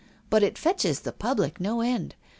But it fetches the public, no end.